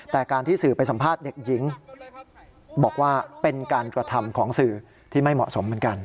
แต่การที่สื่อไปสัมภาษณ์เด็กหญิงบอกว่าเป็นการกระทำของสื่อที่ไม่เหมาะสมเหมือนกัน